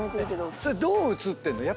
それどう映ってんの？